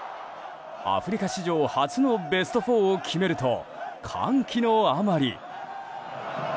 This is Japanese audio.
アフリカ史上初のベスト４を決めると、歓喜のあまり。